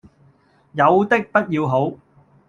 有的不要好，